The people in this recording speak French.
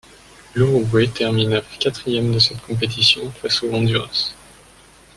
L'Uruguay termina quatrième de cette compétition face au Honduras.